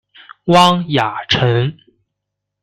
汪亚尘。